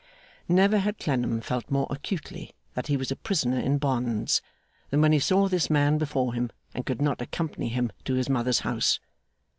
Never had Clennam felt more acutely that he was a prisoner in bonds, than when he saw this man before him, and could not accompany him to his mother's house.